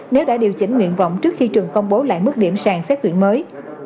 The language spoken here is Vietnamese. nếu đã điều chỉnh nguyện vọng trước khi trường công bố lại mức điểm sàn xét tuyển mới